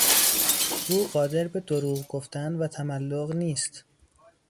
او قادر به دروغ گفتن و تملق نیست.